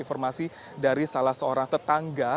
informasi dari salah seorang tetangga